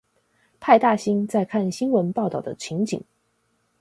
派大星在看新聞報導的情景